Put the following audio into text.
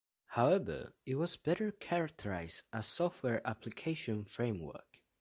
However, it was better characterized as a software application framework.